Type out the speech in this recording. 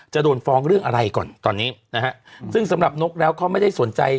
จะโดนฟ้องเรื่องอะไรก่อนตอนนี้นะฮะซึ่งสำหรับนกแล้วเขาไม่ได้สนใจ